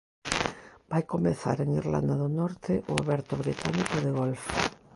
Vai comezar en Irlanda do Norte o Aberto británico de Golf.